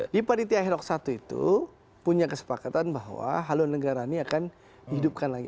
di panitia herok satu itu punya kesepakatan bahwa haluan negara ini akan dihidupkan lagi